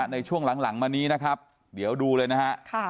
ในช่วงหลังมานี้นะครับเดี๋ยวดูเลยนะฮะ